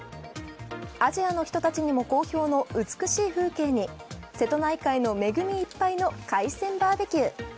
アジアの人たちにも好評の美しい風景に瀬戸内海の恵みいっぱいの海鮮バーベキュー。